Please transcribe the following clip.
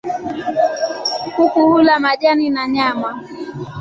Kuku hula majani na nyama.